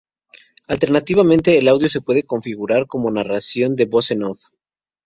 Alternativamente, el audio se puede configurar como narración de voz en off.